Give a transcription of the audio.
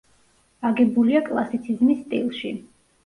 აგებულია კლასიციზმის სტილში.